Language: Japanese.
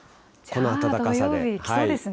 この暖かさで。